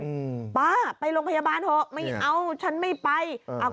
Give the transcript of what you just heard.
อืมป้าไปโรงพยาบาลเถอะไม่เอาฉันไม่ไปอ่า